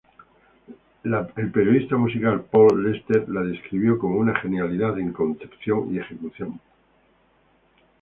El periodista musical Paul Lester la describió como "una genialidad en concepción y ejecución.